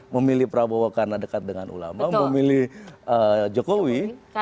memilih prabowo karena dekat dengan ulama memilih jokowi